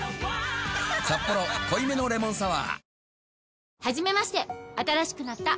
「サッポロ濃いめのレモンサワー」